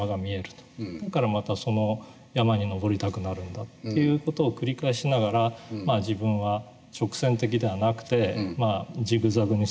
だからまたその山に登りたくなるんだっていう事を繰り返しながら自分は直線的ではなくてジグザグに進んできた。